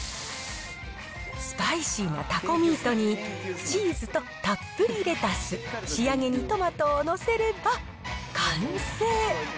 スパイシーなタコミートに、チーズとたっぷりレタス、仕上げにトマトを載せれば完成。